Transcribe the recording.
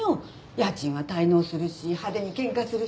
家賃は滞納するし派手に喧嘩するし。